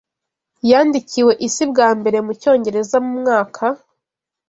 yandikiwe isi bwa mbere mu Cyongereza mu mwaka